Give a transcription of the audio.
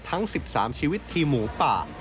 ทั้ง๑๓ชีวิตทีมหมูป่า